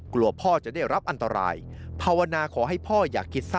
กลัวพ่อจะได้รับอันตราย